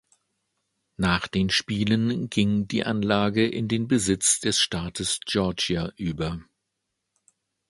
Nach den Spielen ging die Anlage in den Besitz des Staates Georgia über.